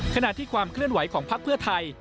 ขณะที่ความเคลื่อนไหวของพักเพื่อไทย